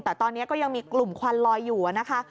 แต่ตอนนี้ก็ยังมีกลุ่มควันลอยอยู่นะคะ